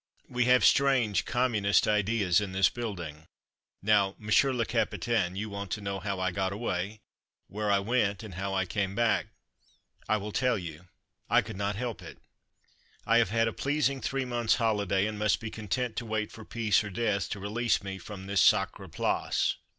We have strange communist ideas in this building. Now "Monsieur Le Capitaine" you want to know how I got away, where I went, and how I came back. I will tell you. I could not help it. I have had a pleasing three months' holiday, and must be content to wait for peace or death, to release me from this sacre place.